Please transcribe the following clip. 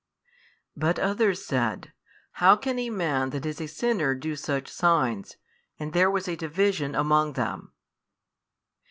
But others said, How can a man that is a sinner do such signs? And there was a division among them.